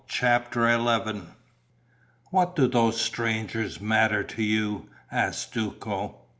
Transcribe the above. CHAPTER XI "What do those strangers matter to you?" asked Duco.